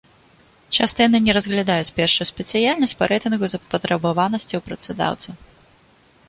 Часта яны не разглядаюць першую спецыяльнасць па рэйтынгу запатрабаванасці ў працадаўцаў.